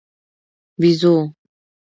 🐒بېزو